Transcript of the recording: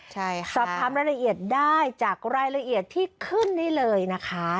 ใช่ค่ะสอบถามรายละเอียดได้จากรายละเอียดที่ขึ้นได้เลยนะคะ